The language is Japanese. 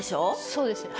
そうですね。